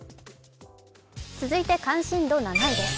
続いて関心度７位です。